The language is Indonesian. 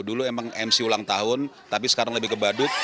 dulu emang mc ulang tahun tapi sekarang lebih ke badut